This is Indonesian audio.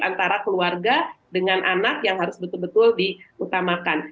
antara keluarga dengan anak yang harus betul betul diutamakan